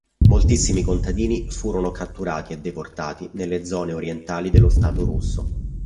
Moltissimi contadini furono catturati e deportati nelle zone orientali dello stato russo.